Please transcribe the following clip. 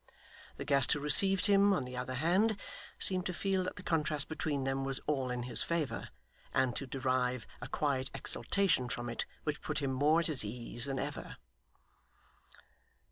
The guest who received him, on the other hand, seemed to feel that the contrast between them was all in his favour, and to derive a quiet exultation from it which put him more at his ease than ever.